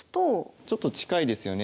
ちょっと近いですよね。